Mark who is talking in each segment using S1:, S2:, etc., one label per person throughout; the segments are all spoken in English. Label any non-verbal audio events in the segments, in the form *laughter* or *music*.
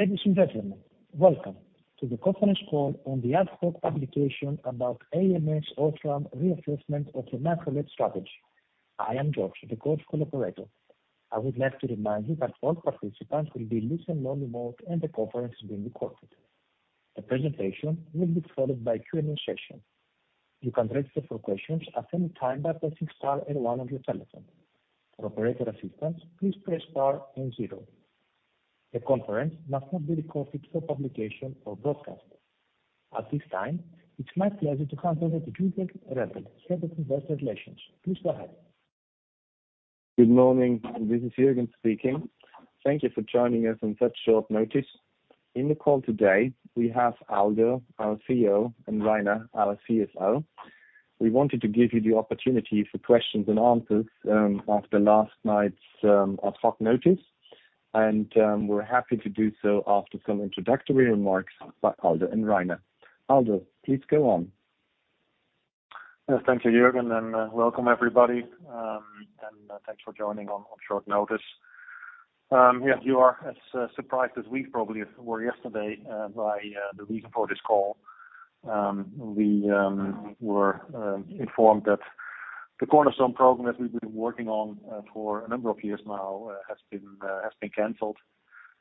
S1: Ladies and gentlemen, welcome to the conference call on the Ad Hoc application about ams OSRAM reassessment of the microLED strategy. I am George, the call operator. I would like to remind you that all participants will be in listen-only mode, and the conference is being recorded. The presentation will be followed by a Q&A session. You can raise different questions at any time by pressing star and one on your telephone. For operator assistance, please press star and zero. The conference must not be recorded for publication or broadcast. At this time, it's my pleasure to hand over to Jürgen Rebel, Head of Investor Relations. Please go ahead.
S2: Good morning. This is Jürgen speaking. Thank you for joining us on such short notice. In the call today, we have Aldo, our CEO, and Rainer, our CFO. We wanted to give you the opportunity for questions and answers after last night's ad hoc notice, and we're happy to do so after some introductory remarks by Aldo and Rainer. Aldo, please go on.
S3: Yes, thank you, Jürgen, and welcome, everybody. And thanks for joining on short notice. Yes, you are as surprised as we probably were yesterday by the reason for this call. We were informed that the Cornerstone program that we've been working on for a number of years now has been canceled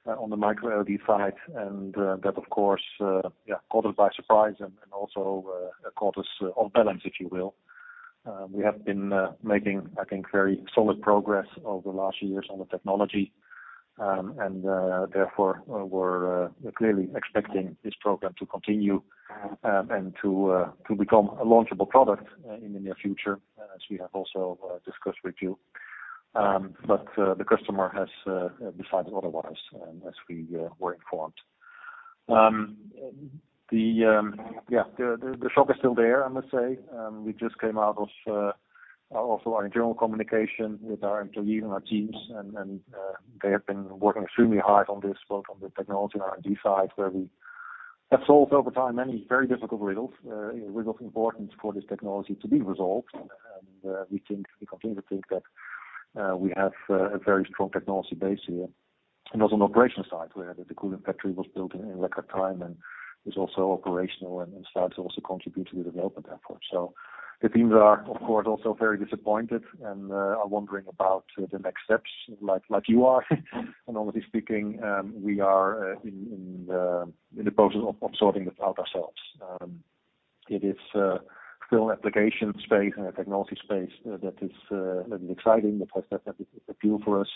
S3: on the microLED side, and that of course yeah, caught us by surprise and also caught us off balance, if you will. We have been making, I think, very solid progress over the last years on the technology. And therefore, we're clearly expecting this program to continue and to become a launchable product in the near future, as we have also discussed with you. But the customer has decided otherwise, as we were informed. Yeah, the shock is still there, I must say. We just came out of also our internal communication with our employees and our teams, and they have been working extremely hard on this, both on the technology and R&D side, where we have solved over time many very difficult riddles important for this technology to be resolved. And we think, we continue to think that we have a very strong technology base here. And also on operational side, where the Kulim factory was built in record time and is also operational and starts to also contribute to the development effort. The teams are, of course, also very disappointed and are wondering about the next steps, like you are. Honestly speaking, we are in the process of sorting this out ourselves. It is still an application space and a technology space that is exciting, that has a future for us.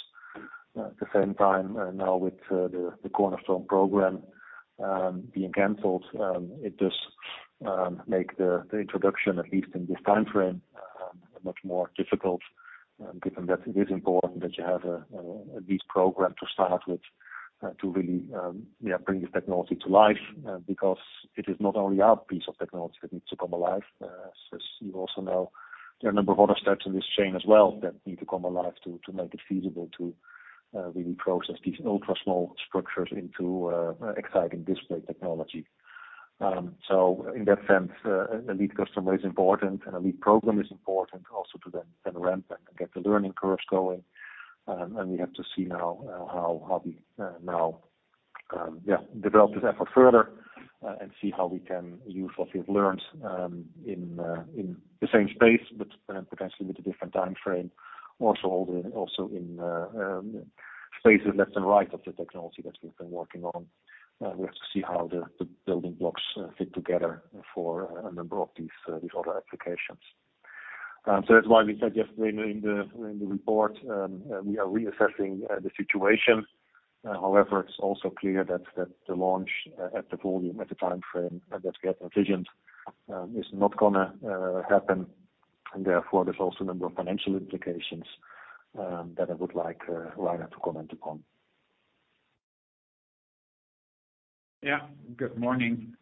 S3: At the same time, now with the Cornerstone program being canceled, it does make the introduction, at least in this timeframe, much more difficult, given that it is important that you have a deep program to start with, to really yeah, bring this technology to life. Because it is not only our piece of technology that needs to come alive. As you also know, there are a number of other steps in this chain as well that need to come alive to make it feasible to really process these ultra small structures into exciting display technology. So in that sense, a lead customer is important, and a lead program is important also to then ramp and get the learning curves going. And we have to see now how we now develop this effort further, and see how we can use what we've learned in in the same space, but potentially with a different timeframe. Also in spaces left and right of the technology that we've been working on. We have to see how the building blocks fit together for a number of these other applications. So that's why we said yesterday in the, in the report, we are reassessing the situation. However, it's also clear that the launch at the volume, at the timeframe that we had envisioned, is not gonna happen. And therefore, there's also a number of financial implications that I would like Rainer to comment upon.
S4: Yeah. Good morning.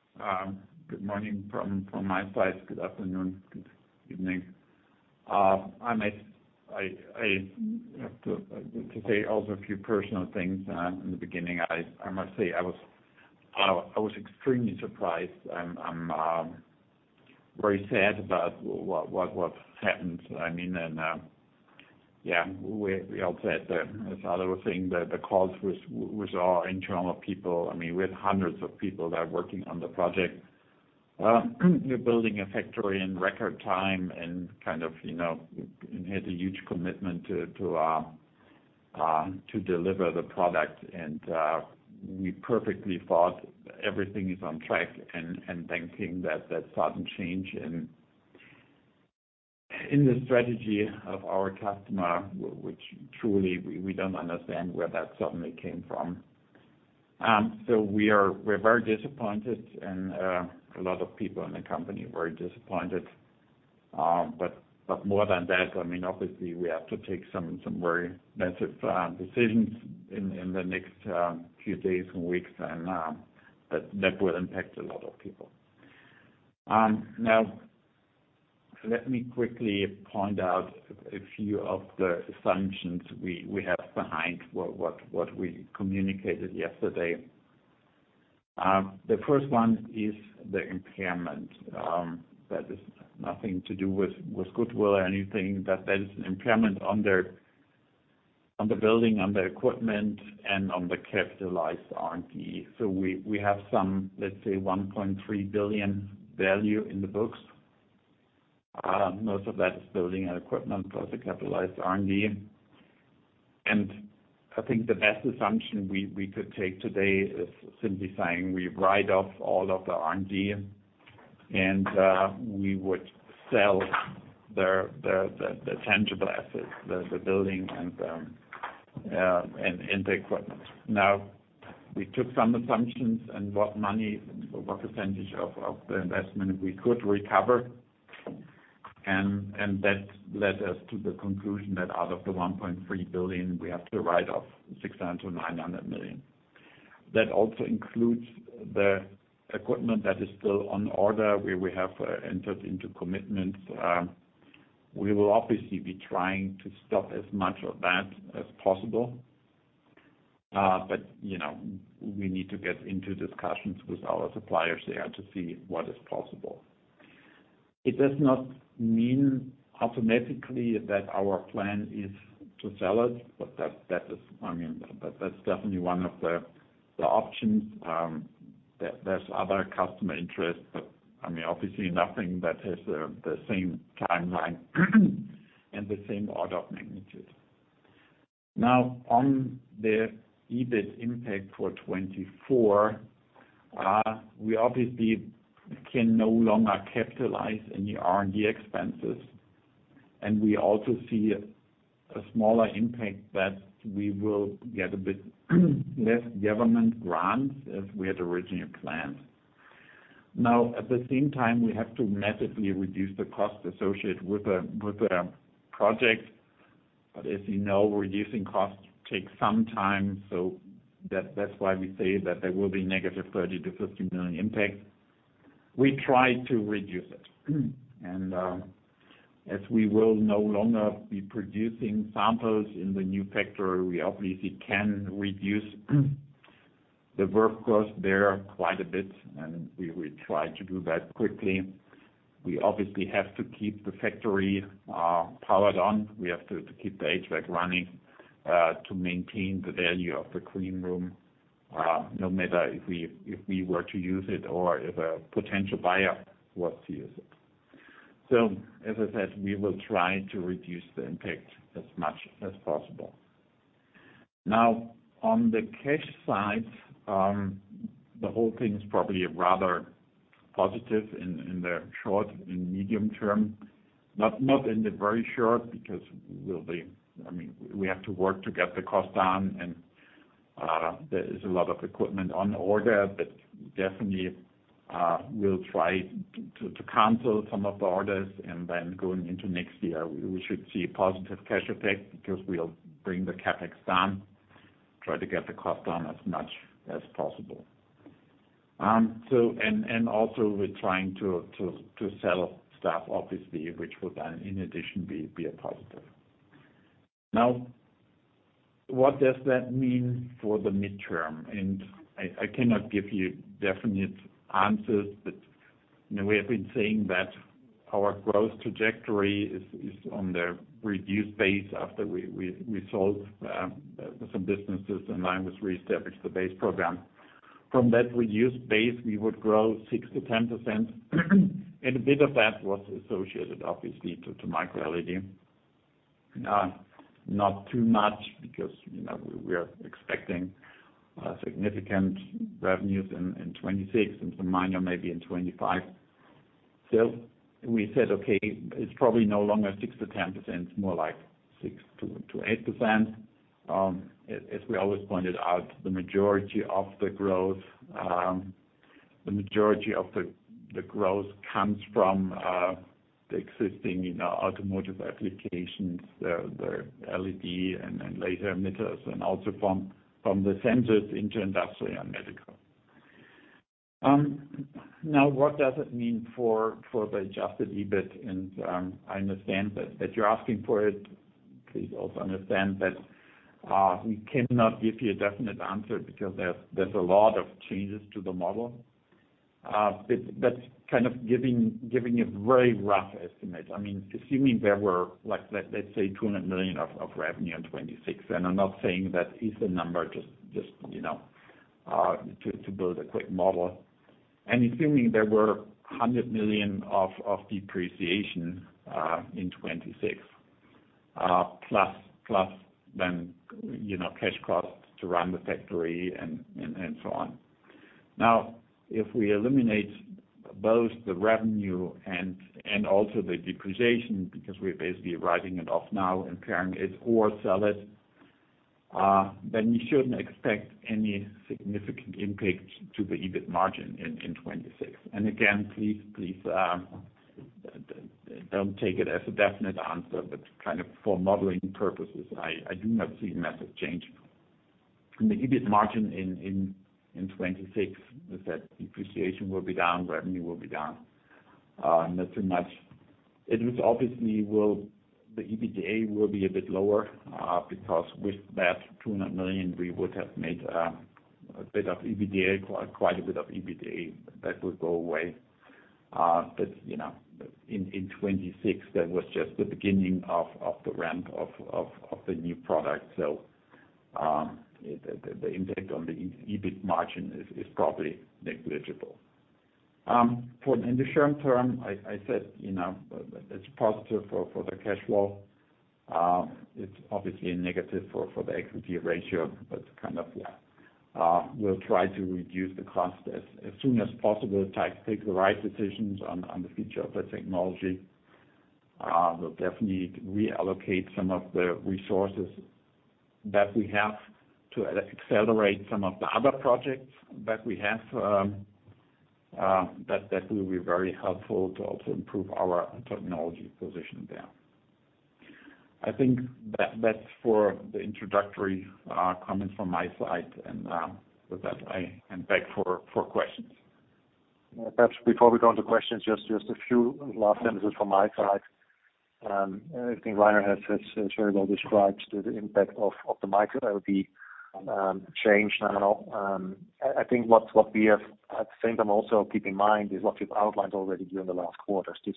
S4: Good morning from my side. Good afternoon, good evening. To say also a few personal things in the beginning, I must say, I was extremely surprised, and I'm very sad about what happened. I mean, and yeah, we all said that, as Aldo was saying, that the calls with our internal people, I mean, we had hundreds of people that are working on the project. We're building a factory in record time and kind of, you know, had a huge commitment to deliver the product. And we perfectly thought everything is on track and then seeing that sudden change in the strategy of our customer, which truly, we don't understand where that suddenly came from. We're very disappointed, and a lot of people in the company were disappointed. But more than that, I mean, obviously, we have to take some very massive decisions in the next few days and weeks, and that will impact a lot of people. Now let me quickly point out a few of the assumptions we have behind what we communicated yesterday. The first one is the impairment. That is nothing to do with goodwill or anything, but that is an impairment on the building, on the equipment, and on the capitalized R&D. So we have some, let's say, 1.3 billion value in the books. Most of that is building and equipment, plus the capitalized R&D. I think the best assumption we could take today is simply saying we write off all of the R&D, and we would sell the tangible assets, the building and the equipment. Now, we took some assumptions and what money, what percentage of the investment we could recover, and that led us to the conclusion that out of the 1.3 billion, we have to write off 600 million-900 million. That also includes the equipment that is still on order, where we have entered into commitments. We will obviously be trying to stop as much of that as possible. But, you know, we need to get into discussions with our suppliers there to see what is possible. It does not mean automatically that our plan is to sell it, but that, that is... I mean, but that's definitely one of the, the options. There's other customer interest, but, I mean, obviously nothing that has, the same timeline and the same order of magnitude. Now, on the EBIT impact for 2024, we obviously can no longer capitalize any R&D expenses, and we also see a smaller impact that we will get a bit less government grants as we had originally planned. Now, at the same time, we have to massively reduce the cost associated with the, with the project. But as you know, reducing costs takes some time, so that's why we say that there will be -30 million-50 million impact. We try to reduce it. As we will no longer be producing samples in the new factory, we obviously can reduce the work cost there quite a bit, and we will try to do that quickly. We obviously have to keep the factory powered on. We have to keep the HVAC running to maintain the value of the clean room, no matter if we were to use it or if a potential buyer was to use it. So, as I said, we will try to reduce the impact as much as possible. Now, on the cash side, the whole thing is probably rather positive in the short and medium term. Not in the very short, because I mean, we have to work to get the cost down, and there is a lot of equipment on order. But definitely, we'll try to cancel some of the orders, and then going into next year, we should see a positive cash effect, because we'll bring the CapEx down, try to get the cost down as much as possible. So, and also we're trying to sell stuff, obviously, which will then, in addition, be a positive. Now, what does that mean for the midterm? And I cannot give you definite answers, but, you know, we have been saying that our growth trajectory is on the reduced base after we sold some businesses, and I just reestablished the Base program. From that reduced base, we would grow 6%-10%, and a bit of that was associated, obviously, to microLED. Not too much, because, you know, we are expecting significant revenues in 2026, and some minor maybe in 2025. So we said, "Okay, it's probably no longer 6%-10%, more like 6%-8%." As we always pointed out, the majority of the growth comes from the existing, you know, automotive applications, the LED and laser emitters, and also from the sensors into industrial and medical. Now, what does it mean for the adjusted EBIT? And I understand that you're asking for it. Please also understand that we cannot give you a definite answer because there's a lot of changes to the model. But that's kind of giving a very rough estimate. I mean, assuming there were like, let's say, 200 million of revenue in 2026, and I'm not saying that is the number, just you know to build a quick model. And assuming there were 100 million of depreciation in 2026, plus then you know cash costs to run the factory and so on. Now, if we eliminate both the revenue and also the depreciation, because we're basically writing it off now, impairing it or sell it, then you shouldn't expect any significant impact to the EBIT margin in 2026. And again, please don't take it as a definite answer, but kind of for modeling purposes, I do not see a massive change. In the EBIT margin in 2026, as that depreciation will be down, revenue will be down, not too much—it was obviously will, the EBITDA will be a bit lower, because with that 200 million we would have made, a bit of EBITDA, quite a bit of EBITDA that would go away. But, you know, in 2026, that was just the beginning of the ramp of the new product. So, the impact on the EBIT margin is probably negligible. For in the short term, I said, you know, it's positive for the cash flow. It's obviously a negative for the equity ratio, but kind of we'll try to reduce the cost as soon as possible, try to take the right decisions on the future of the technology. We'll definitely reallocate some of the resources that we have to accelerate some of the other projects that we have. That will be very helpful to also improve our technology position there. I think that's for the introductory comments from my side, and with that, I hand back for questions.
S3: Perhaps before we go on to questions, just a few last sentences from my side. I think Rainer has very well described the impact of the microLED change. Now, I think what we have at the same time also keep in mind is what we've outlined already during the last quarters. This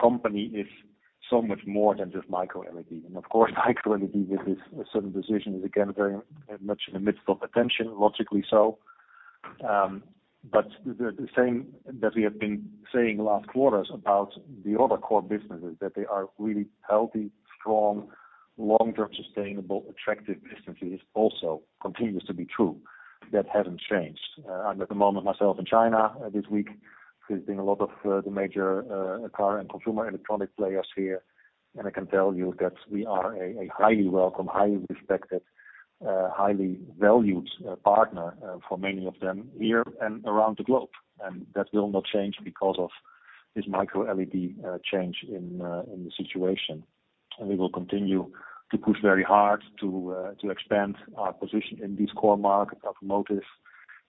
S3: company is so much more than just microLED. And of course, microLED with this certain decision is again very much in the midst of attention, logically so. But the same that we have been saying last quarters about the other core businesses, that they are really healthy, strong, long-term, sustainable, attractive businesses, also continues to be true. That hasn't changed. I'm at the moment myself in China this week, visiting a lot of the major car and consumer electronic players here, and I can tell you that we are a highly welcome, highly respected, highly valued partner for many of them here and around the globe. And that will not change because of this microLED change in the situation. And we will continue to push very hard to expand our position in these core markets, automotive,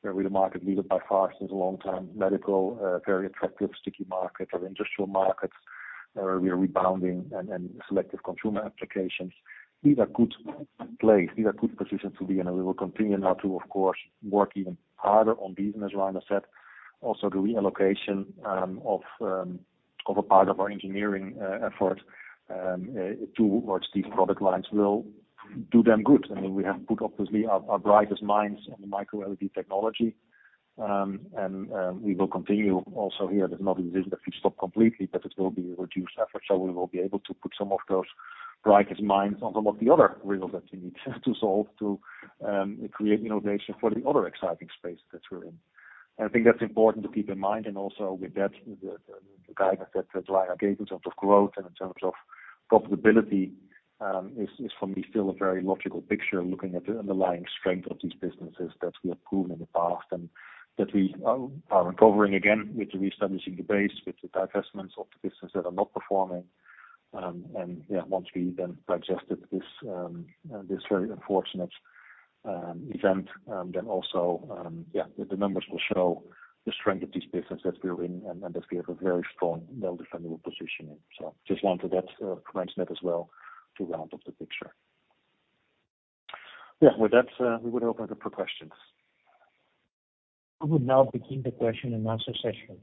S3: where we're the market leader by far since a long time. Medical, a very attractive sticky market, our industrial markets, where we are rebounding and selective consumer applications. These are good place, these are good positions to be in, and we will continue now to, of course, work even harder on these, as Rainer said. Also, the reallocation of a part of our engineering effort towards these product lines will do them good. I mean, we have put obviously our brightest minds on the microLED technology, and we will continue also here. There's not a decision that we stop completely, but it will be reduced effort. So we will be able to put some of those brightest minds on some of the other riddles that we need to solve, to create innovation for the other exciting spaces that we're in. I think that's important to keep in mind, and also with that, the guidance that Rainer gave in terms of growth and in terms of profitability is for me still a very logical picture, looking at the underlying strength of these businesses that we have proven in the past, and that we are recovering again, with reestablishing the base, with the divestments of the businesses that are not performing. And yeah, once we then digested this this very unfortunate event, then also yeah, the numbers will show the strength of this business that we're in and that we have a very strong, well defendable position in. So just wanted that to mention that as well, to round up the picture. Yeah, with that, we would open it up for questions.
S1: We will now begin the question-and-answer session.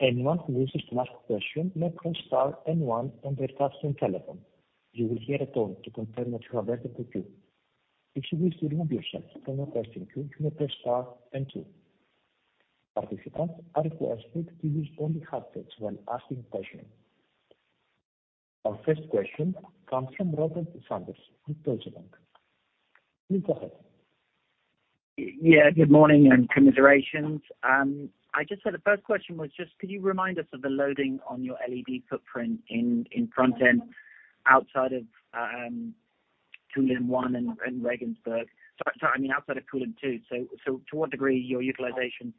S1: Anyone who wishes to ask a question may press star and one on their touchtone telephone. You will hear a tone to confirm that you are added to the queue. If you wish to remove yourself from a question queue, you may press star and two. Participants are requested to use only handset when asking questions. Our first question comes from Robert Sanders with Deutsche Bank. Please go ahead.
S5: Yeah, good morning and commiserations. I just said the first question was just could you remind us of the loading on your LED footprint in front end outside of Kulim 1 and Regensburg? Sorry, sorry, I mean, outside of Kulim 2. So to what degree your utilization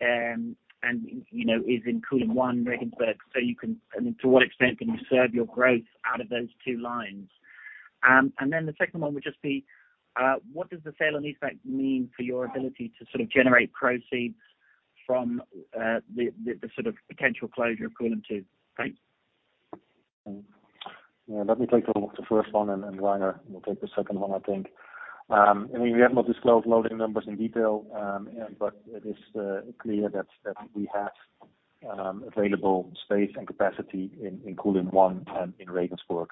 S5: and, you know, is in Kulim 1, Regensburg, I mean, to what extent can you serve your growth out of those 2 lines? And then the second one would just be what does the sale and leaseback mean for your ability to sort of generate proceeds from the sort of potential closure of Kulim 2? Thanks.
S3: Yeah, let me take the first one, and Rainer will take the second one, I think. I mean, we have not disclosed loading numbers in detail, but it is clear that we have available space and capacity in Kulim one and in Regensburg.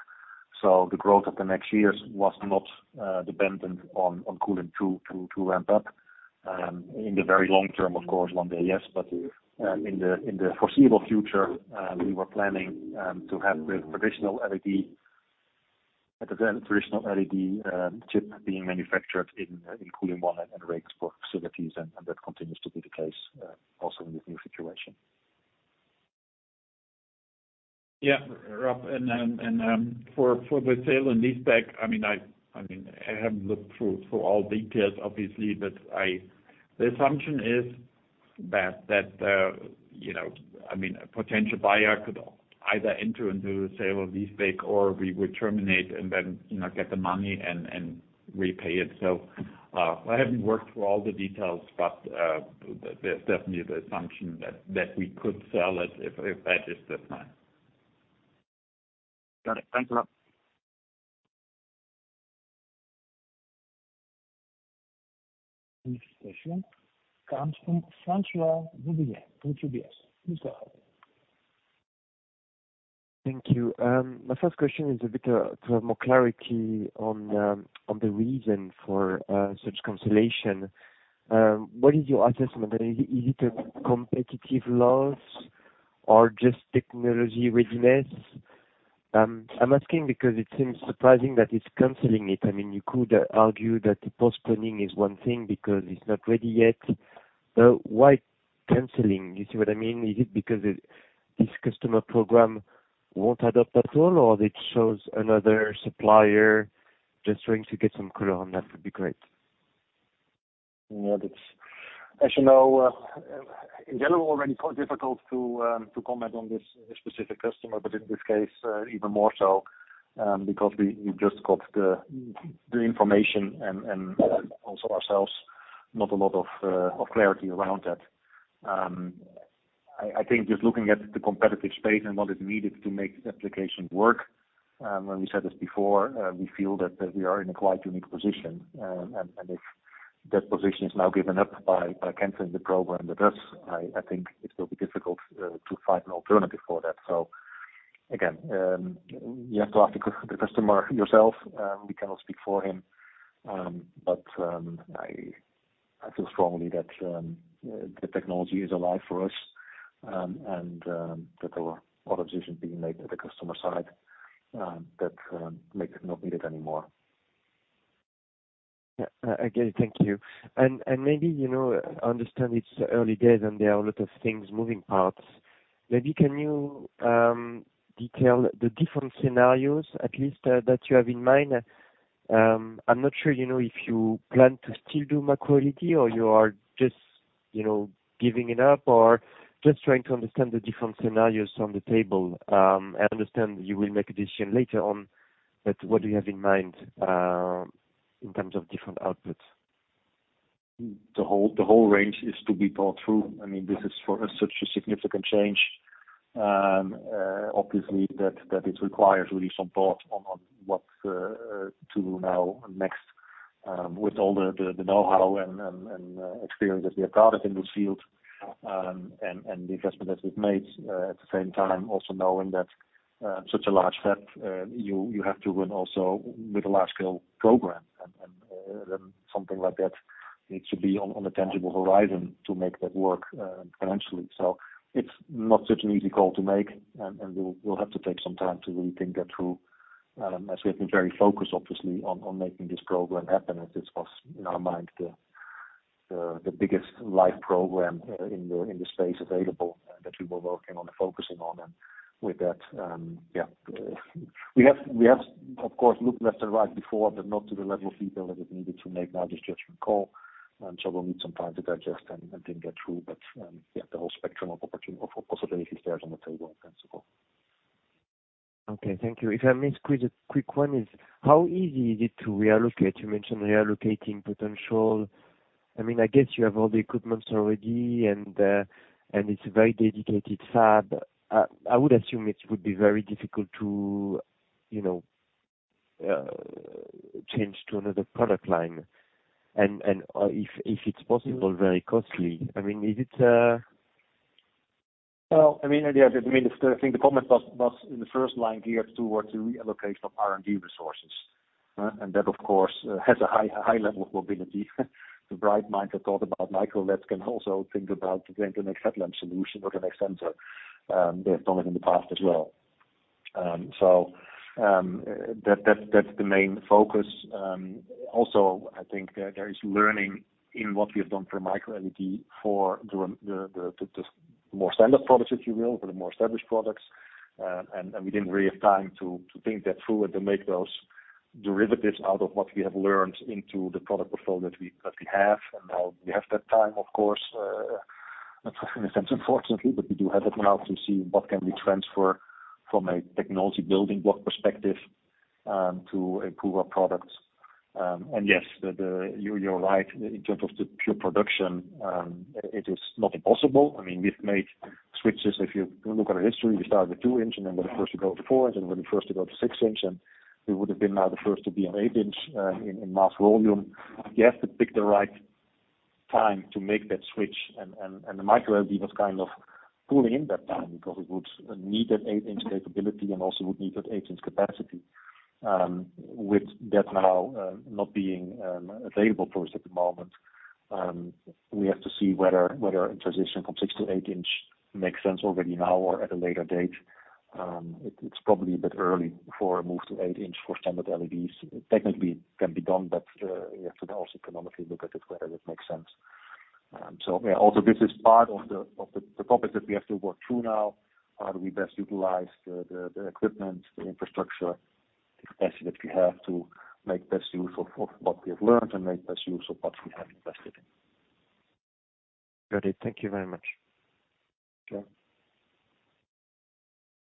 S3: So the growth of the next years was not dependent on Kulim 2 to ramp up. In the very long term, of course, one day, yes, but in the foreseeable future, we were planning to have the traditional LED, at the very traditional LED, chip being manufactured in Kulim one and Regensburg facilities, and that continues to be the case also in this new situation.
S4: Yeah, Rob, and for the sale and leaseback, I mean, I mean, I haven't looked through for all details, obviously, but I... The assumption is that, you know, I mean, a potential buyer could either enter into the sale and leaseback, or we would terminate and then, you know, get the money and repay it. So, I haven't worked through all the details, but, there's definitely the assumption that we could sell it if that is the time.
S5: Got it. Thanks a lot....
S1: Next question comes from Francçois-Xavier Bouvignies, from UBS. Please go ahead.
S6: Thank you. My first question is a bit to have more clarity on on the reason for such cancellation. What is your assessment? Is it is it a competitive loss or just technology readiness? I'm asking because it seems surprising that it's canceling it. I mean, you could argue that the postponing is one thing, because it's not ready yet, but why canceling? You see what I mean? Is it because this customer program won't adopt at all, or it shows another supplier? Just trying to get some clear on that would be great.
S3: Yeah, that's... As you know, in general, already quite difficult to comment on this specific customer, but in this case, even more so, because we just got the information and also ourselves, not a lot of clarity around that. I think just looking at the competitive space and what is needed to make the application work, and we said this before, we feel that we are in a quite unique position. And if that position is now given up by canceling the program with us, I think it will be difficult to find an alternative for that. So again, you have to ask the customer yourself. We cannot speak for him. But, I feel strongly that the technology is alive for us, and that there are a lot of decisions being made at the customer side that make it not needed anymore.
S6: Yeah. Again, thank you. And maybe, you know, understand it's early days, and there are a lot of things moving parts. Maybe can you detail the different scenarios, at least, that you have in mind? I'm not sure, you know, if you plan to still do microLED or you are just, you know, giving it up, or just trying to understand the different scenarios on the table. I understand you will make a decision later on, but what do you have in mind, in terms of different outputs?
S3: The whole range is to be thought through. I mean, this is for us such a significant change. Obviously that it requires really some thought on what to do now next with all the know-how and experience that we have gathered in this field and the investment that we've made. At the same time, also knowing that such a large step you have to win also with a large-scale program, and something like that, it should be on a tangible horizon to make that work financially. So it's not such an easy call to make, and we'll have to take some time to really think that through, as we have been very focused, obviously, on making this program happen, as this was, in our mind, the biggest live program in the space available that we were working on and focusing on. And with that, yeah, we have, of course, looked left and right before, but not to the level of detail that is needed to make now this judgment call. And so we'll need some time to digest and think that through. But, yeah, the whole spectrum of opportunity or possibilities there is on the table and so forth.
S6: Okay, thank you. If I may squeeze a quick one, is how easy is it to reallocate? You mentioned reallocating potential. I mean, I guess you have all the equipments already, and and it's a very dedicated fab. I would assume it would be very difficult to, you know, change to another product line, and and if it's possible, very costly. I mean, is it-
S3: Well, I mean, yeah, I mean, I think the comment was in the first line here towards the reallocation of R&D resources. And that, of course, has a high level of mobility. The bright minds that thought about micro LED can also think about the next headlamp solution or the next sensor. They've done it in the past as well. So, that's the main focus. Also, I think there is learning in what we have done for micro LED for the more standard products, if you will, for the more established products. And we didn't really have time to think that through and to make those derivatives out of what we have learned into the product portfolio that we have. Now we have that time, of course, in a sense, unfortunately, but we do have it now to see what can we transfer from a technology building block perspective, to improve our products. And yes, you're right. In terms of the pure production, it is not impossible. I mean, we've made switches. If you look at our history, we started with 2-inch, and then we're the first to go to 4-inch, and we're the first to go to 6-inch, and we would have been now the first to be on 8-inch, in mass volume. You have to pick the right time to make that switch, and the microLED was kind of pulling in that time, because it would need an 8-inch capability and also would need an 8-inch capacity. With that now not being available for us at the moment, we have to see whether a transition from 6- to 8-inch makes sense already now or at a later date. It's probably a bit early for a move to 8-inch for standard LEDs. Technically, it can be done, but you have to also economically look at it, whether it makes sense. So also this is part of the topics that we have to work through now. How do we best utilize the equipment, the infrastructure capacity that we have to make best use of what we have learned and make best use of what we have invested in?
S6: Got it. Thank you very much.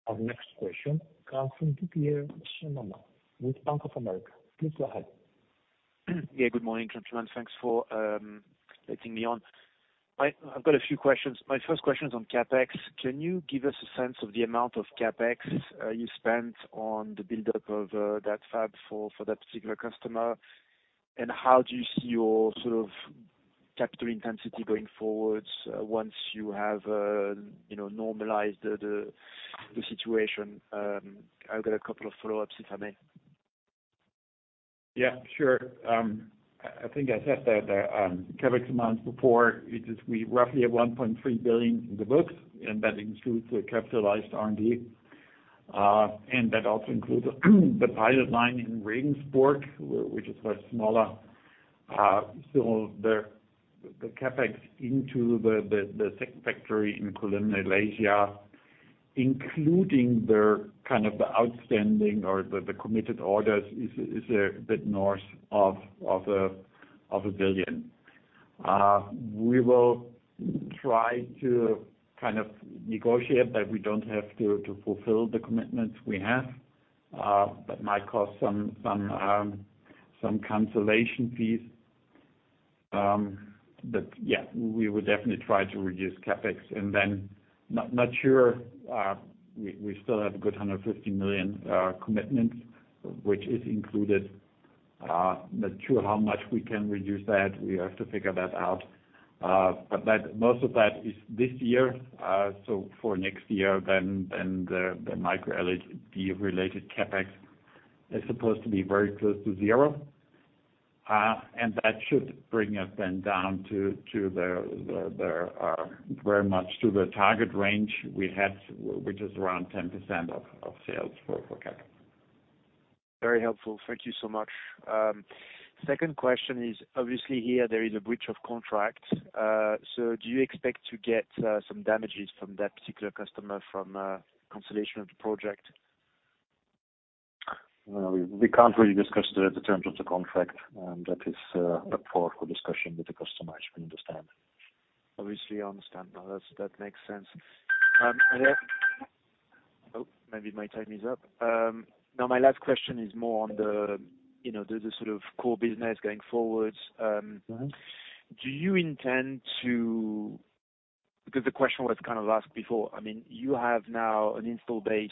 S3: Sure.
S1: Our next question comes from Pierre Flom, with Bank of America. Please go ahead.
S7: Yeah, good morning, gentlemen. Thanks for letting me on. I've got a few questions. My first question is on CapEx. Can you give us a sense of the amount of CapEx you spent on the buildup of that fab for that particular customer? And how do you see your sort of capital intensity going forwards once you have you know normalized the situation? I've got a couple of follow-ups, if I may.
S4: Yeah, sure. I think I said that CapEx amounts before, it is we roughly have 1.3 billion in the books, and that includes the capitalized R&D. And that also includes the pilot line in Regensburg, which is much smaller. So the CapEx into the second factory in Kulim, Malaysia, including the outstanding or the committed orders, is a bit north of 1 billion. We will try to negotiate that we don't have to fulfill the commitments we have, that might cause some cancellation fees. But yeah, we will definitely try to reduce CapEx, and then not sure we still have a good 150 million commitment, which is included. Not sure how much we can reduce that. We have to figure that out. But that, most of that is this year. So for next year, the microLED related CapEx is supposed to be very close to zero. And that should bring us then down to the very much to the target range we had, which is around 10% of sales for CapEx.
S7: Very helpful. Thank you so much. Second question is, obviously here there is a breach of contract, so do you expect to get some damages from that particular customer from cancellation of the project?
S4: Well, we can't really discuss the terms of the contract. That is up for discussion with the customer, as you understand.
S7: Obviously, I understand. No, that's, that makes sense. Oh, maybe my time is up. Now my last question is more on the, you know, the, the sort of core business going forward.
S4: Mm-hmm.
S7: Do you intend to... Because the question was kind of asked before. I mean, you have now an installed base,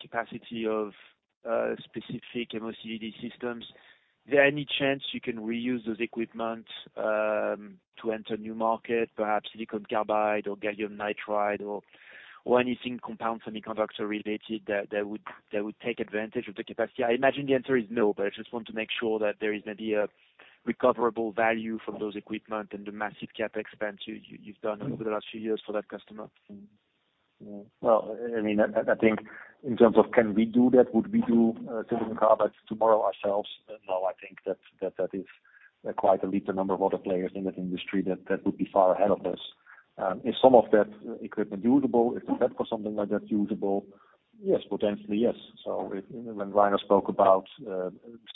S7: capacity of specific MOCVD systems. Is there any chance you can reuse those equipment to enter new market, perhaps silicon carbide or gallium nitride or anything compound semiconductor related that would take advantage of the capacity? I imagine the answer is no, but I just want to make sure that there is maybe a recoverable value from those equipment and the massive CapEx spend you've done over the last few years for that customer.
S4: Well, I mean, I think in terms of can we do that, would we do silicon carbide tomorrow ourselves? No, I think that is, there are quite a leap number of other players in that industry that would be far ahead of us. Is some of that equipment usable? Is the set for something like that usable? Yes, potentially, yes. So if, when Rainer spoke about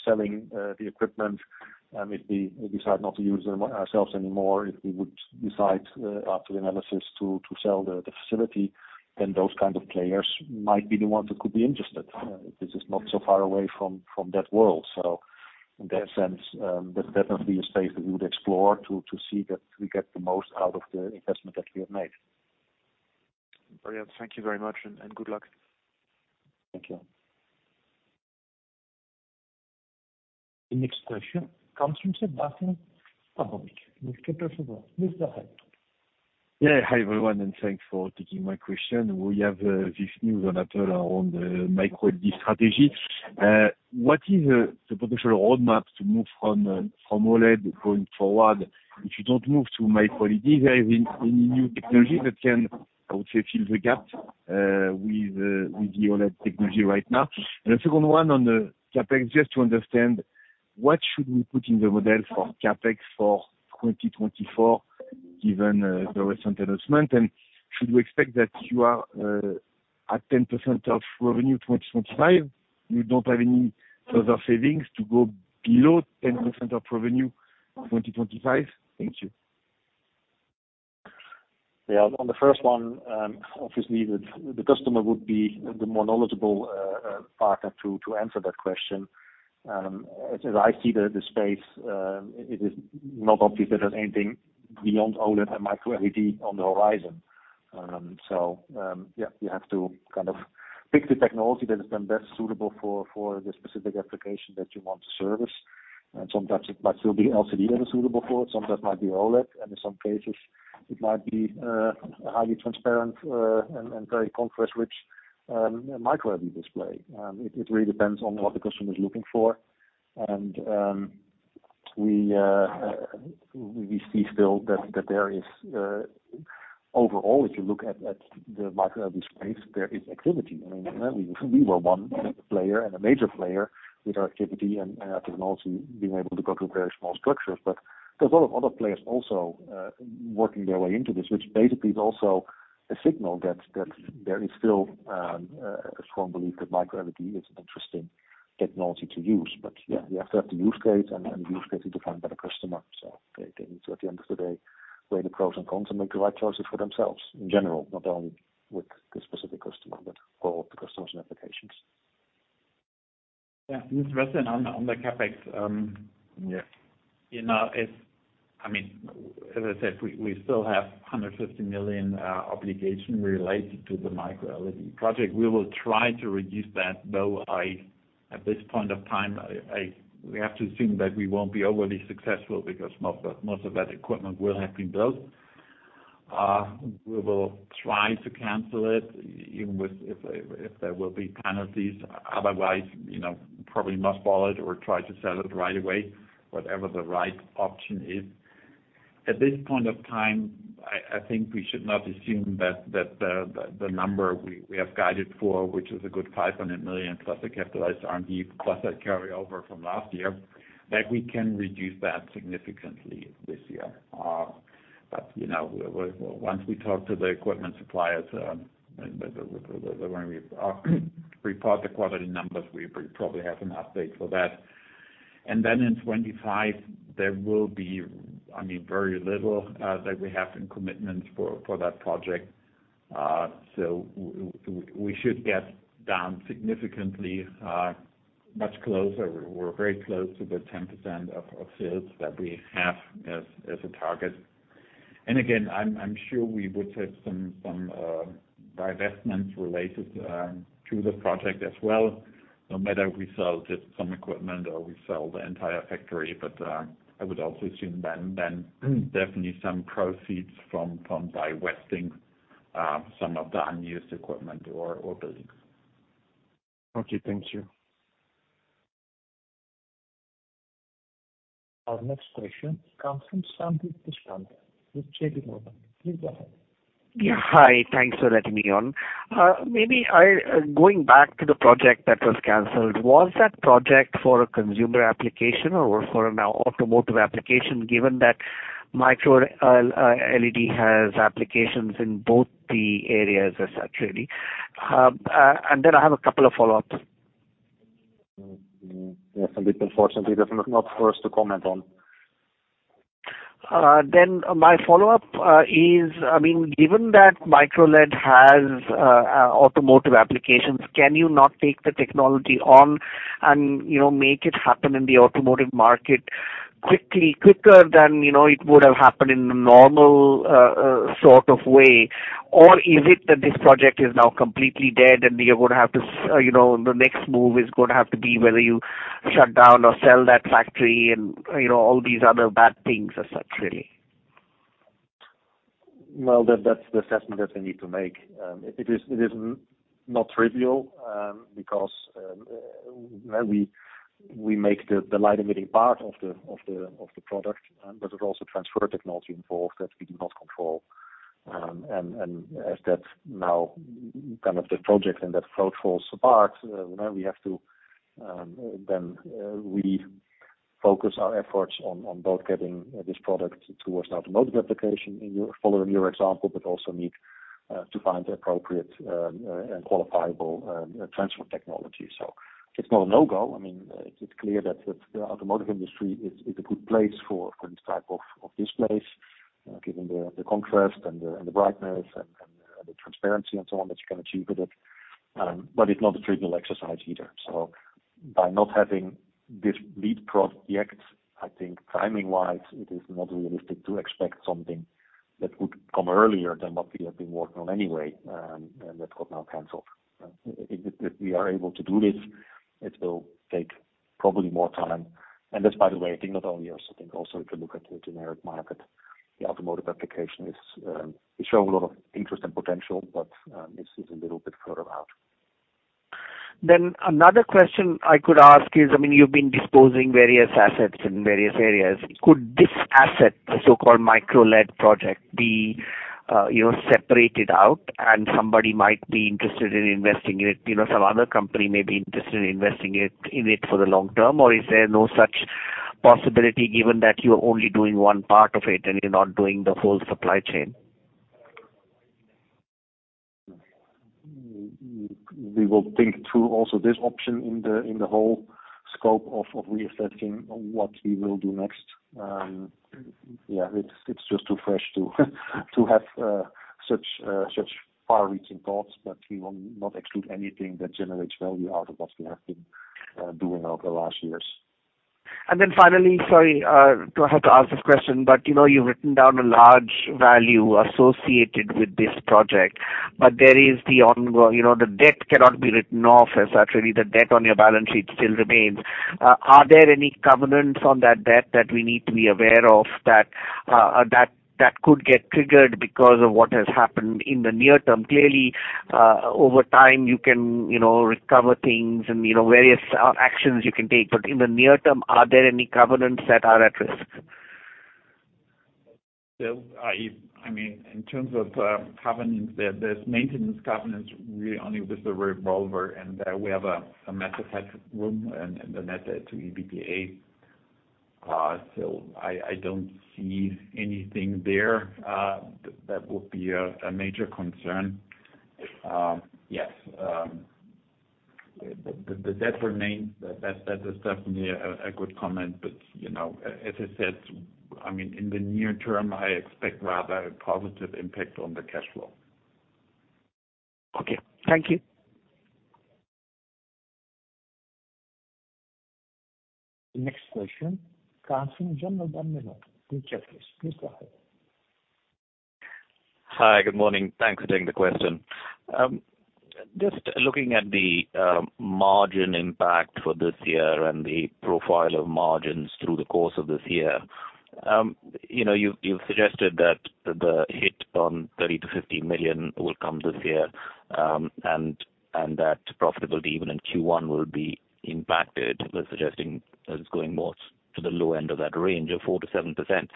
S4: selling the equipment, if we decide not to use them ourselves anymore, if we would decide after the analysis to sell the facility, then those kind of players might be the ones that could be interested. This is not so far away from that world. So in that sense, there's definitely a space that we would explore to see that we get the most out of the investment that we have made.
S7: Brilliant. Thank you very much and good luck.
S4: Thank you.
S1: The next question comes from Sebastian Percival. Yes, go ahead.
S8: Yeah, hi, everyone, and thanks for taking my question. We have this new on Apple on the microLED strategy. What is the potential roadmap to move from OLED going forward? If you don't move to microLED, is there any new technology that can, I would say, fill the gap with the OLED technology right now? And the second one on the CapEx, just to understand, what should we put in the model for CapEx for 2024, given the recent announcement? And should we expect that you are at 10% of revenue 2025? You don't have any further savings to go below 10% of revenue 2025? Thank you.
S4: Yeah, on the first one, obviously the customer would be the more knowledgeable partner to answer that question. As I see the space, it is not obvious that there's anything beyond OLED and microLED on the horizon. So, yeah, you have to kind of pick the technology that is the best suitable for the specific application that you want to service. And sometimes it might still be LCD that is suitable for, sometimes might be OLED, and in some cases it might be highly transparent and very contrast rich microLED display. It really depends on what the customer is looking for. And we see still that there is. Overall, if you look at the microLED space, there is activity. I mean, we, we were one player and a major player with our activity and technology being able to go to very small structures. But there's a lot of other players also working their way into this, which basically is also a signal that, that there is still a strong belief that microLED is an interesting technology to use. But yeah, you have to have the use case, and, and the use case is defined by the customer. So they, they need to, at the end of the day, weigh the pros and cons and make the right choices for themselves in general, not only with this specific customer, but for the customers and applications.... Yeah, interesting on the, on the CapEx. Yeah, you know, it's, I mean, as I said, we still have 150 million obligation related to the microLED project. We will try to reduce that, though, at this point of time, we have to assume that we won't be overly successful because most of that equipment will have been built. We will try to cancel it, even if there will be penalties. Otherwise, you know, probably must follow it or try to sell it right away, whatever the right option is. At this point of time, I think we should not assume that the number we have guided for, which is a good 500 million, plus the Capitalized R&D, plus that carryover from last year, that we can reduce that significantly this year. But, you know, once we talk to the equipment suppliers, when we report the quarterly numbers, we probably have an update for that. And then in 2025, there will be, I mean, very little that we have in commitment for that project. So we should get down significantly, much closer. We're very close to the 10% of sales that we have as a target. And again, I'm sure we would have some divestments related to the project as well, no matter if we sell just some equipment or we sell the entire factory. But I would also assume then definitely some proceeds from divesting some of the unused equipment or buildings.
S8: Okay, thank you.
S1: Our next question comes from Sandeep Deshpande with JP Morgan. Please go ahead.
S9: Yeah. Hi, thanks for letting me on. Maybe I going back to the project that was canceled, was that project for a consumer application or for an automotive application, given that microLED has applications in both the areas as such, really? And then I have a couple of follow-ups.
S4: Mm-hmm. Yes, Sandeep, unfortunately, this is not for us to comment on.
S9: Then my follow-up is, I mean, given that microLED has automotive applications, can you not take the technology on and, you know, make it happen in the automotive market quickly, quicker than, you know, it would have happened in a normal sort of way? Or is it that this project is now completely dead and you're gonna have to, you know, the next move is gonna have to be whether you shut down or sell that factory and, you know, all these other bad things as such, really?
S4: Well, that's the assessment that we need to make. It is not trivial, because we make the light-emitting part of the product, but there's also transfer technology involved that we do not control. And as that's now kind of the project and that approach falls apart, then we have to really focus our efforts on both getting this product towards automotive application, following your example, but also need to find the appropriate and qualifiable transfer technology. So it's not a no-go. I mean, it's clear that the automotive industry is a good place for current type of displays, given the contrast and the brightness and the transparency and so on, that you can achieve with it. But it's not a trivial exercise either. So by not having this lead project, I think timing-wise, it is not realistic to expect something that would come earlier than what we have been working on anyway, and that got now canceled. If we are able to do this, it will take probably more time. And this, by the way, I think not only us, I think also if you look at the generic market, the automotive application is showing a lot of interest and potential, but this is a little bit further out.
S9: Then another question I could ask is, I mean, you've been disposing various assets in various areas. Could this asset, the so-called microLED project, be, you know, separated out and somebody might be interested in investing in it? You know, some other company may be interested in investing it, in it for the long term, or is there no such possibility, given that you're only doing one part of it and you're not doing the whole supply chain?
S4: We will think through also this option in the whole scope of reassessing what we will do next. Yeah, it's just too fresh to have such far-reaching thoughts, but we will not exclude anything that generates value out of what we have been doing over the last years.
S9: And then finally, sorry to have to ask this question, but, you know, you've written down a large value associated with this project, but there is the ongoing, you know, the debt cannot be written off as such. Really, the debt on your balance sheet still remains. Are there any covenants on that debt that we need to be aware of that could get triggered because of what has happened in the near term? Clearly, over time, you can, you know, recover things and, you know, various actions you can take. But in the near term, are there any covenants that are at risk?
S4: So, I mean, in terms of covenants, there's maintenance covenants really only with the revolver, and we have a headroom and a net debt to EBITDA. So I don't see anything there that would be a major concern. Yes, the debt remains. That is definitely a good comment, but, you know, as I said, I mean, in the near term, I expect rather a positive impact on the cash flow....
S1: Okay, thank you. Next question, coming from John. Please go ahead.
S10: Hi, good morning. Thanks for taking the question. Just looking at the margin impact for this year and the profile of margins through the course of this year. You know, you've, you've suggested that the hit on 30 million-50 million will come this year, and, and that profitability even in Q1 will be impacted, but suggesting that it's going more to the low end of that range of 4%-7%.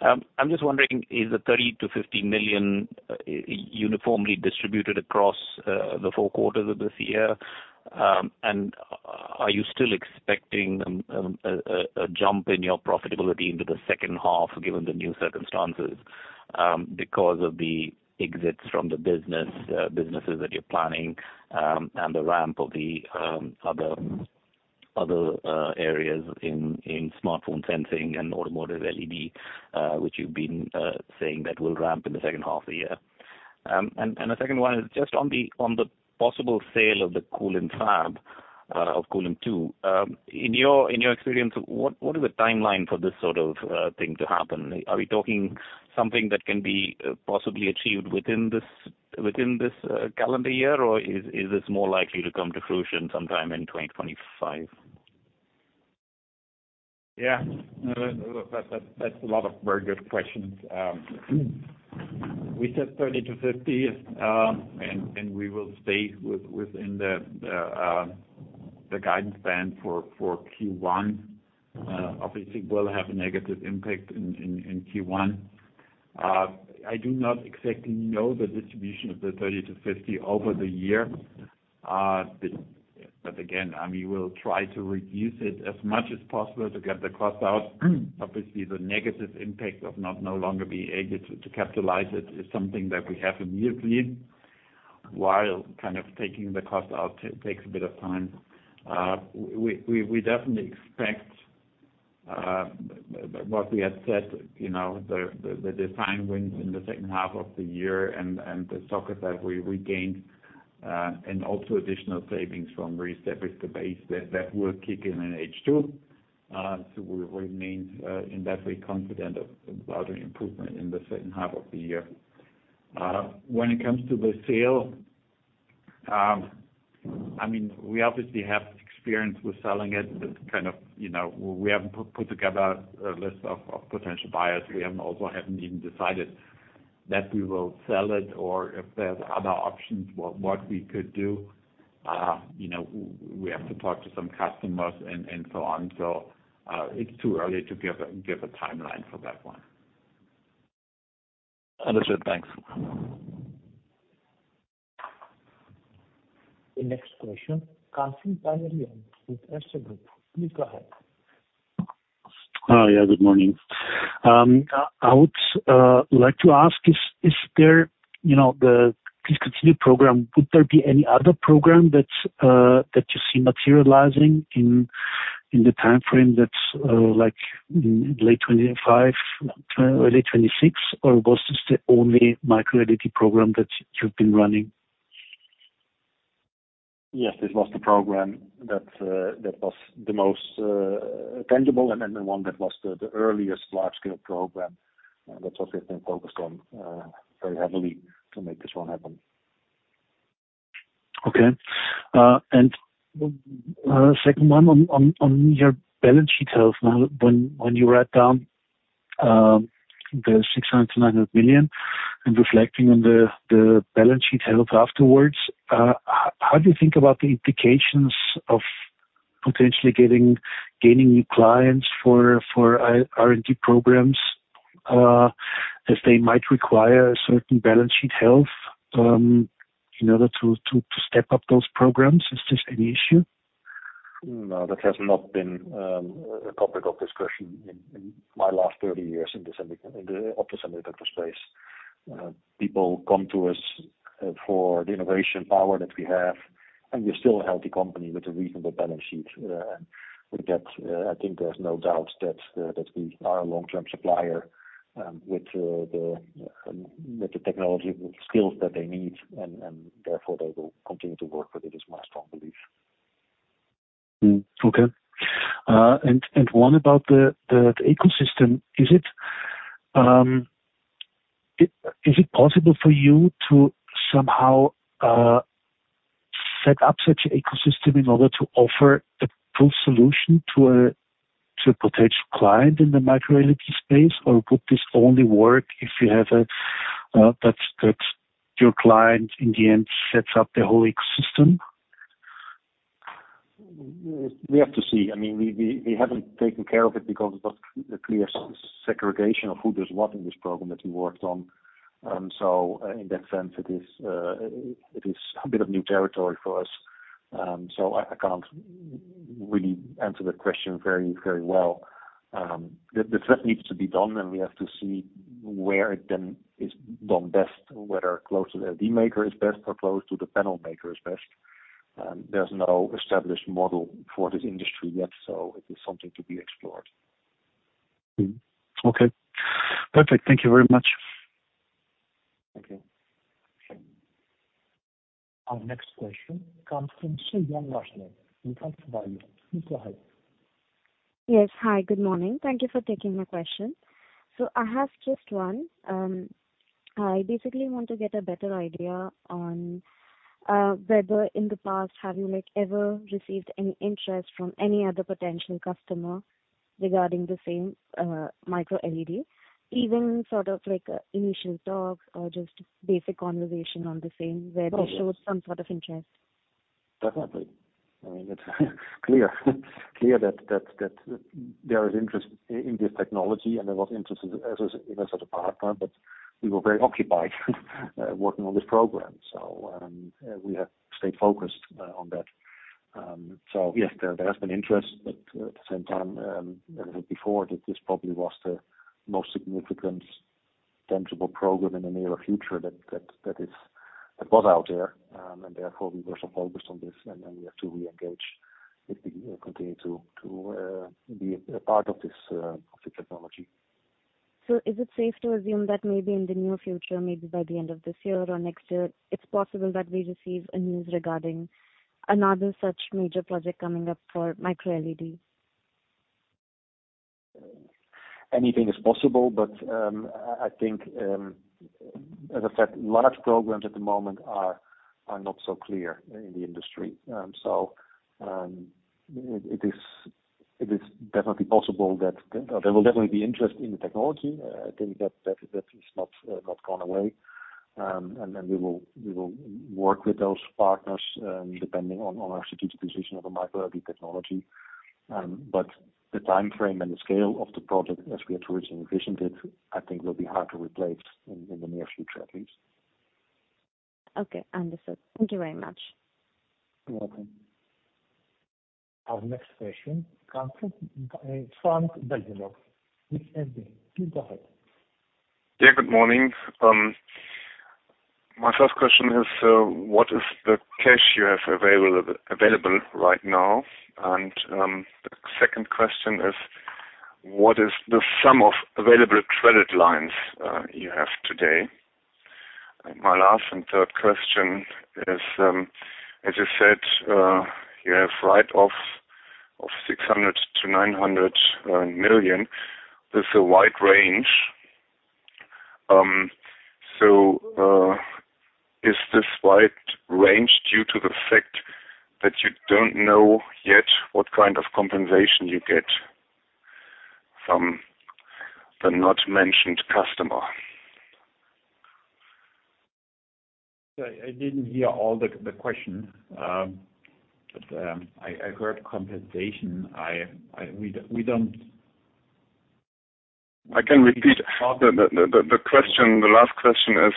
S10: I'm just wondering, is the 30 million-50 million uniformly distributed across the four quarters of this year? Are you still expecting a jump in your profitability into the second half, given the new circumstances, because of the exits from the business, businesses that you're planning, and the ramp of the other areas in smartphone sensing and automotive LED, which you've been saying that will ramp in the second half of the year? And the second one is just on the possible sale of the Kulim fab of Kulim two. In your experience, what is the timeline for this sort of thing to happen? Are we talking something that can be possibly achieved within this calendar year, or is this more likely to come to fruition sometime in 2025?
S4: Yeah. No, that that's a lot of very good questions. We said 30-50, and we will stay within the guidance band for Q1. Obviously will have a negative impact in Q1. I do not exactly know the distribution of the 30-50 over the year. But again, I mean, we'll try to reduce it as much as possible to get the cost out. Obviously, the negative impact of not no longer being able to capitalize it is something that we have immediately, while kind of taking the cost out takes a bit of time. We definitely expect what we had said, you know, the design wins in the second half of the year and the stock that we regained and also additional savings from Re-establish the Base that will kick in H2. So we remain in that way confident of larger improvement in the second half of the year. When it comes to the sale, I mean, we obviously have experience with selling it. It's kind of, you know, we haven't put together a list of potential buyers. We also haven't even decided that we will sell it or if there's other options, what we could do. You know, we have to talk to some customers and so on. So, it's too early to give a timeline for that one.
S10: Understood. Thanks.
S1: The next question, coming from. *inaudible* Please go ahead.
S11: Hi. Yeah, good morning. I would like to ask, is there, you know, the discontinue program, would there be any other program that you see materializing in the time frame that's like late 2025, early 2026, or was this the only microLED program that you've been running?
S4: Yes, this was the program that, that was the most tangible, and then the one that was the, the earliest large-scale program. That's what we've been focused on very heavily to make this one happen.
S11: Okay. And second one, on your balance sheet health. Now, when you write down the 600 million-900 million, and reflecting on the balance sheet health afterwards, how do you think about the implications of potentially getting gaining new clients for R&D programs, as they might require a certain balance sheet health, in order to step up those programs? Is this an issue?
S4: No, that has not been a topic of discussion in my last 30 years in the semiconductor, in the opto-semiconductor space. People come to us for the innovation power that we have, and we're still a healthy company with a reasonable balance sheet. And with that, I think there's no doubt that we are a long-term supplier with the technology skills that they need, and therefore, they will continue to work with it, is my strong belief.
S11: Hmm, okay. And what about the ecosystem? Is it possible for you to somehow set up such an ecosystem in order to offer a full solution to a potential client in the micro LED space? Or would this only work if you have a, that's your client in the end, sets up the whole ecosystem?
S4: We have to see. I mean, we haven't taken care of it because of the clear segregation of who does what in this program that we worked on. So in that sense, it is a bit of new territory for us. So I can't really answer the question very, very well. This needs to be done, and we have to see where it then is done best, whether close to the LED maker is best or close to the panel maker is best. There's no established model for this industry yet, so it is something to be explored....
S11: Mm-hmm. Okay, perfect. Thank you very much.
S1: Thank you. Our next question comes from Suzanne Rushne from Bank of America. Please go ahead.
S12: Yes. Hi, good morning. Thank you for taking my question. I have just one. I basically want to get a better idea on, whether in the past, have you, like, ever received any interest from any other potential customer regarding the same, microLED? Even sort of like initial talks or just basic conversation on the same, where they showed some sort of interest.
S4: Definitely. I mean, it's clear that there is interest in this technology, and there was interest as a partner, but we were very occupied working on this program. So, we have stayed focused on that. So yes, there has been interest, but at the same time, as I said before, that this probably was the most significant tangible program in the near future that was out there. And therefore we were so focused on this, and then we have to re-engage it, continue to be a part of this of the technology.
S12: Is it safe to assume that maybe in the near future, maybe by the end of this year or next year, it's possible that we receive a news regarding another such major project coming up for microLED?
S4: Anything is possible, but I think, as I said, a lot of programs at the moment are not so clear in the industry. So, it is definitely possible that there will definitely be interest in the technology. I think that has not gone away. And then we will work with those partners, depending on our strategic position of the microLED technology. But the timeframe and the scale of the project as we had originally envisioned it, I think will be hard to replace in the near future, at least.
S12: Okay, understood. Thank you very much.
S4: You're welcome.
S1: Our next question comes from Frank Belov with MD. Please go ahead.
S13: Yeah, good morning. My first question is, what is the cash you have available, available right now? And the second question is: What is the sum of available credit lines, you have today? And my last and third question is, as you said, you have write-off of 600 million-900 million. That's a wide range. So, is this wide range due to the fact that you don't know yet what kind of compensation you get from the not mentioned customer?
S4: I didn't hear all the question. But we don't-
S13: I can repeat. The last question is,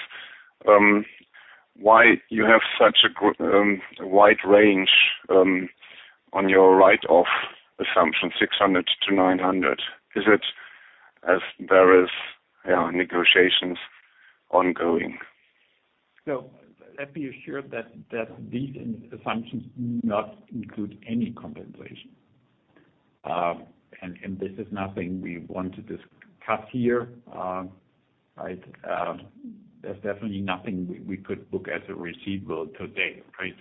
S13: why you have such a wide range on your write-off assumption, 600-900? Is it as there is negotiations ongoing?
S4: So let me be sure that these assumptions do not include any compensation. And this is nothing we want to discuss here. There's definitely nothing we could book as a receivable today, right?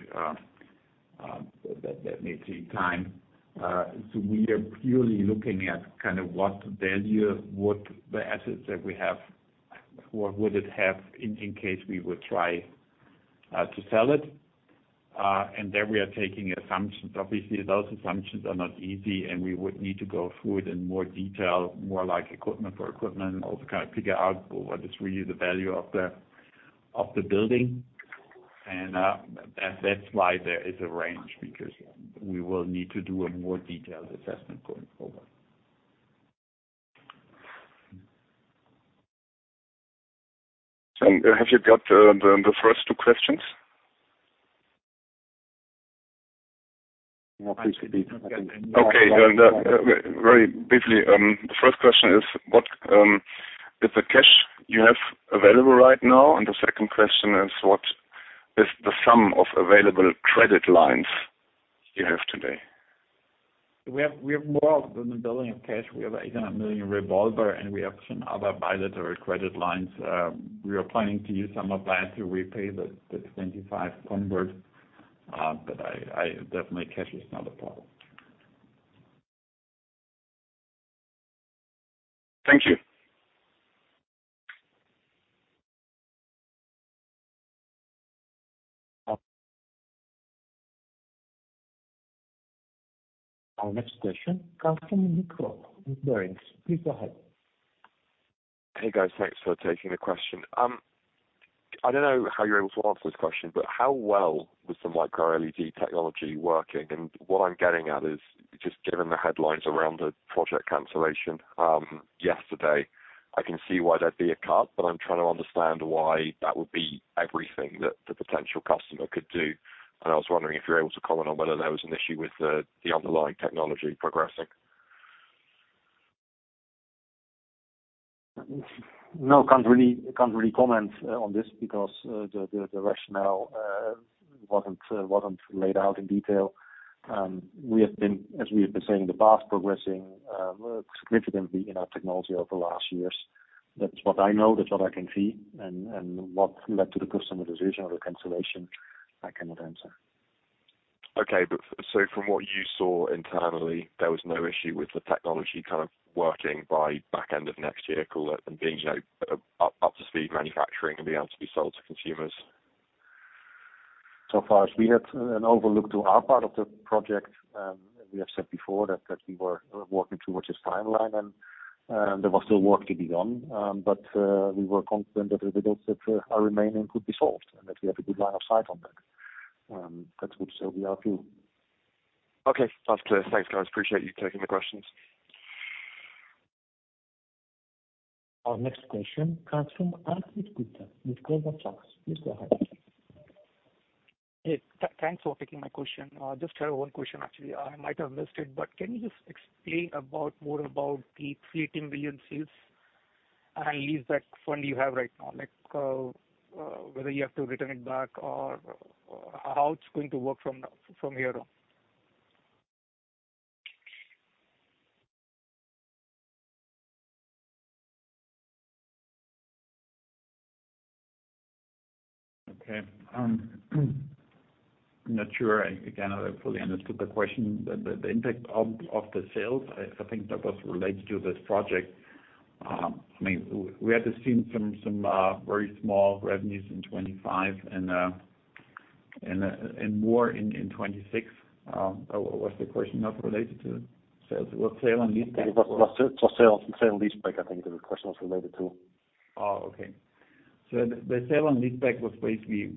S4: That may take time. So we are purely looking at kind of what value, what the assets that we have, what would it have in case we would try to sell it, and then we are taking assumptions. Obviously, those assumptions are not easy, and we would need to go through it in more detail, more like equipment for equipment, also kind of figure out what is really the value of the building. And that's why there is a range, because we will need to do a more detailed assessment going forward.
S13: Have you got the first two questions?
S4: No, please repeat.
S13: Okay. Then, very briefly, the first question is, what is the cash you have available right now? And the second question is: What is the sum of available credit lines you have today?
S4: We have more than 1 billion in cash. We have 800 million revolver, and we have some other bilateral credit lines. We are planning to use some of that to repay the 25 convert. But definitely cash is not a problem.
S13: Thank you.
S1: Our next question comes from Nick Rob with Barings. Please go ahead.
S14: Hey, guys. Thanks for taking the question. I don't know how you're able to answer this question, but how well was the microLED technology working? And what I'm getting at is, just given the headlines around the project cancellation, yesterday, I can see why there'd be a cut, but I'm trying to understand why that would be everything that the potential customer could do. And I was wondering if you're able to comment on whether there was an issue with the underlying technology progressing....
S3: No, can't really, can't really comment on this because the rationale wasn't laid out in detail. We have been, as we have been saying in the past, progressing significantly in our technology over the last years. That's what I know, that's what I can see, and what led to the customer decision or the cancellation, I cannot answer.
S14: Okay. But so from what you saw internally, there was no issue with the technology kind of working by back end of next year, call it, and being, you know, up, up to speed manufacturing and being able to be sold to consumers? So far as we had an overview to our part of the project, we have said before that we were working towards this timeline, and there was still work to be done. But we were confident that the results that are remaining could be solved, and that we had a good line of sight on that. That would still be our view. Okay, that's clear. Thanks, guys. Appreciate you taking the questions.
S1: Our next question comes from Anthony Gupta with Goldman Sachs. Please go ahead.
S15: Hey, thanks for taking my question. Just have one question, actually. I might have missed it, but can you just explain about, more about the 13 billion sale and leaseback fund you have right now? Like, whether you have to return it back or how it's going to work from now, from here on.
S4: Okay. Not sure I again fully understood the question, but the impact of the sales, I think that was related to this project. I mean, we had just seen some very small revenues in 2025 and more in 2026. Or was the question not related to sales? Well, sale and leaseback-
S3: It was for sale, sale and leaseback, I think the question was related to.
S4: Oh, okay. So the sale and leaseback was basically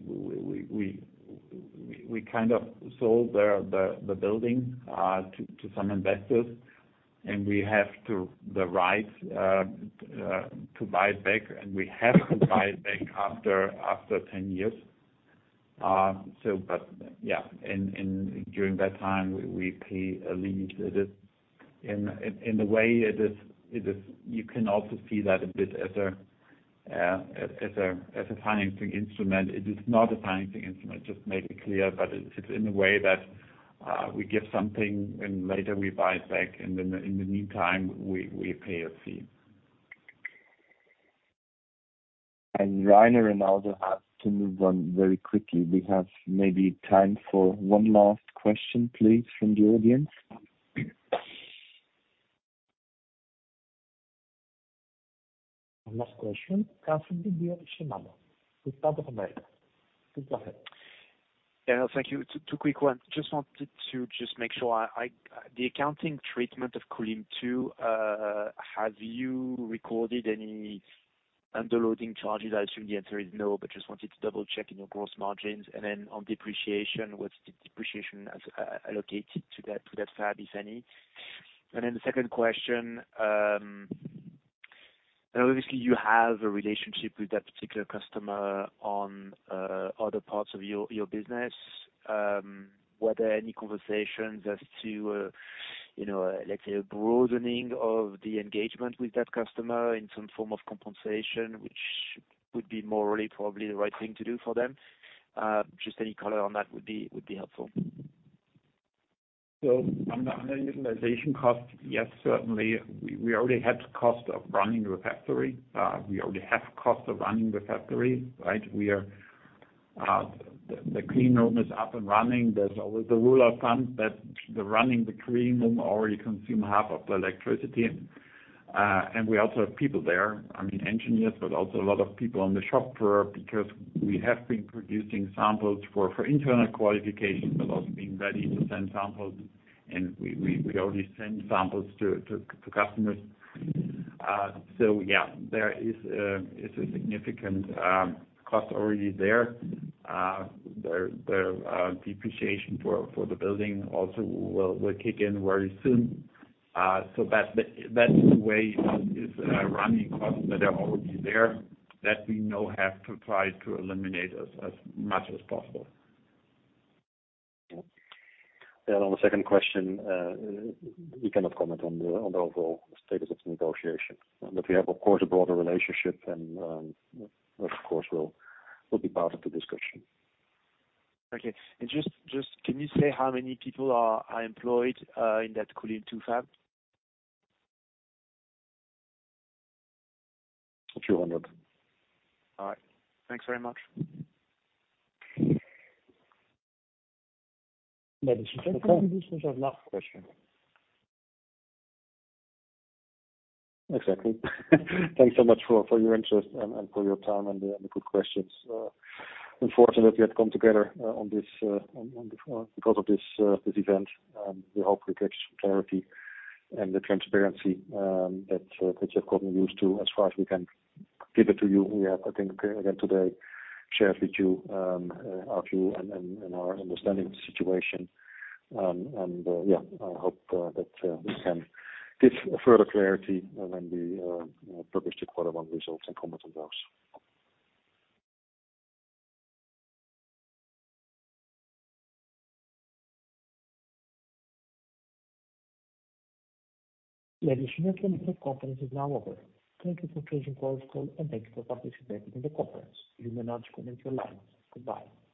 S4: we kind of sold the building to some investors, and we have the right to buy back, and we have to buy it back after 10 years. So but yeah, and during that time we pay a lease. It is in the way it is. You can also see that a bit as a financing instrument. It is not a financing instrument, just to make it clear, but it's in the way that we give something and later we buy it back, and then in the meantime, we pay a fee.
S1: Rainer and I also have to move on very quickly. We have maybe time for one last question, please, from the audience. Our last question comes from Lionel with Bank of America. Please go ahead.
S7: Yeah, thank you. Two quick ones. Just wanted to just make sure I, the accounting treatment of Kulim two, have you recorded any underloading charges? I assume the answer is no, but just wanted to double check in your gross margins. And then on depreciation, what's the depreciation as allocated to that, to that fab, if any? And then the second question, obviously, you have a relationship with that particular customer on other parts of your, your business. Were there any conversations as to, you know, let's say, a broadening of the engagement with that customer in some form of compensation, which would be morally probably the right thing to do for them? Just any color on that would be helpful.
S4: So on the utilization cost, yes, certainly, we already had cost of running the factory. We already have cost of running the factory, right? We are, the clean room is up and running. There's always the rule of thumb that the running clean room already consume half of the electricity, and we also have people there, I mean, engineers, but also a lot of people on the shop floor, because we have been producing samples for internal qualification, but also being ready to send samples. And we already send samples to customers. So yeah, there is a significant cost already there. The depreciation for the building also will kick in very soon. So that, that's the way is running costs that are already there, that we now have to try to eliminate as much as possible.
S3: Yeah. And on the second question, we cannot comment on the overall status of the negotiation. But we have, of course, a broader relationship and which of course will be part of the discussion.
S7: Okay. And just, can you say how many people are employed in that Kulim 2 fab?
S3: A few hundred.
S7: All right. Thanks very much.
S1: Ladies and gentlemen, this is our last question.
S3: Exactly. Thanks so much for your interest and for your time and the good questions. Unfortunately, we have come together on this because of this event, we hope we get clarity and the transparency that you have gotten used to as far as we can give it to you. We have, I think, again, today, shared with you our view and our understanding of the situation. Yeah, I hope that we can give further clarity when we publish the quarter one results and comment on those.
S1: Ladies and gentlemen, the conference is now over. Thank you for choosing Chorus School, and thank you for participating in the conference. You may now disconnect your lines. Goodbye.